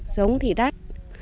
giống thì đắt